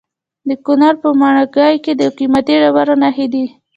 د کونړ په ماڼوګي کې د قیمتي ډبرو نښې دي.